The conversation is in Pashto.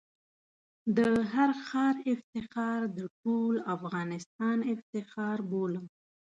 د هر ښار افتخار د ټول افغانستان افتخار بولم.